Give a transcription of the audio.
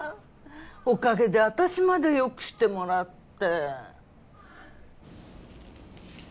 おかげで私までよくしてもらって。